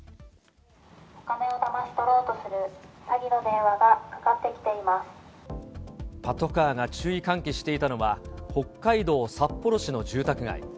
お金をだまし取ろうとする詐パトカーが注意喚起していたのは、北海道札幌市の住宅街。